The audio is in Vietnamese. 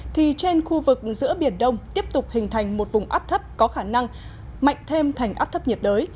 thì trên khu vực giữa biển đông tiếp tục hình thành một vùng áp thấp có khả năng mạnh thêm thành áp thấp nhiệt đới